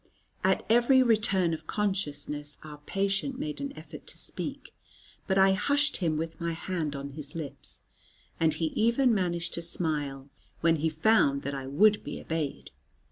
At every return of consciousness, our patient made an effort to speak, but I hushed him with my hand on his lips, and he even managed to smile, when he found that I would be obeyed.